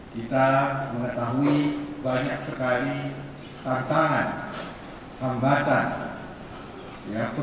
kita mengetahui banyak sekali tantangan hambatan yaitu